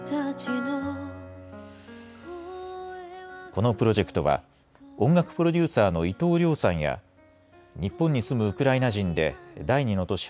このプロジェクトは音楽プロデューサーの伊藤涼さんや日本に住むウクライナ人で第２の都市